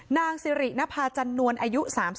นางศิริณภาจันทรวงศ์อายุ๓๒